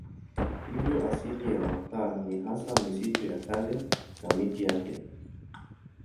Hivyo asili ya makaa ni hasa misitu ya kale na miti yake.